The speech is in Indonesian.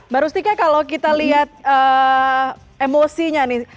baru stika kalau kita lihat emosinya nih